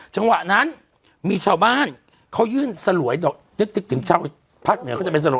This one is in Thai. จังหวะนั้นมีชาวบ้านเขายื่นสลวยดอกถึงชาวภาคเหนือเขาจะเป็นสลว